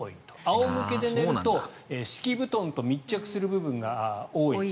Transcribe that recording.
仰向けで寝ると、背中が敷布団と密着する部分が多い。